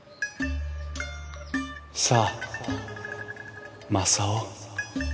さあ正雄。